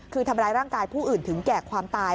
คือทำร้ายร่างกายผู้อื่นถึงแก่ความตาย